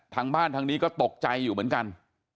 ทางบ้านทางนี้ก็ตกใจอยู่เหมือนกัน